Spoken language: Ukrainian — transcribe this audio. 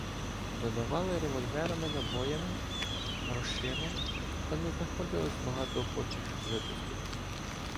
Додавали револьверами, набоями, грошима, та не знаходилося багато охочих випустити